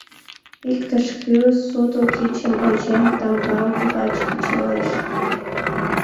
Иктаж-кӧ, сото кечым ончен, тамгам лач кычалеш.